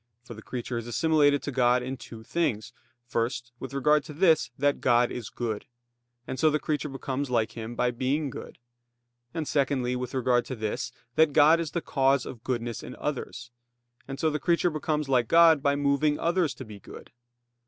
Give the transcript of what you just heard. For the creature is assimilated to God in two things; first, with regard to this, that God is good; and so the creature becomes like Him by being good; and secondly, with regard to this, that God is the cause of goodness in others; and so the creature becomes like God by moving others to be good.